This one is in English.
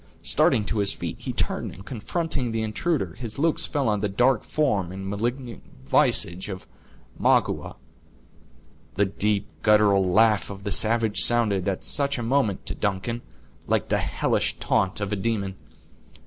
Starting to his feet, he turned, and, confronting the intruder, his looks fell on the dark form and malignant visage of Magua. The deep guttural laugh of the savage sounded, at such a moment, to Duncan, like the hellish taunt of a demon.